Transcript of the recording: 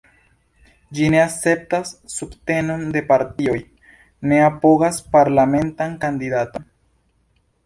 Ĝi ne akceptas subtenon de partioj, ne apogas parlamentan kandidaton.